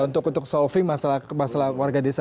untuk solving masalah warga desa